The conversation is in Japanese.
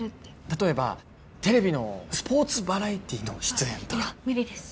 例えばテレビのスポーツバラエティーの出演とか無理です